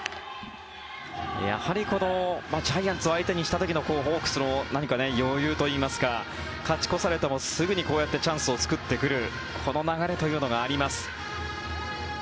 やはりジャイアンツを相手にした時のホークスの何か余裕といいますか勝ち越されてもすぐにこうやってチャンスを作ってくるこの流れというのがあります。